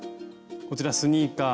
こちらスニーカー。